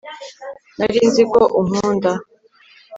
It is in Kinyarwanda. narinziko unkunda